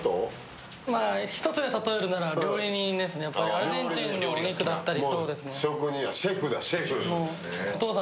アルゼンチンのお肉だったり。